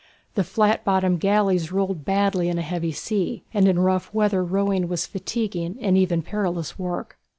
The flat bottomed galleys rolled badly in a heavy sea, and in rough weather rowing was fatiguing and even perilous work.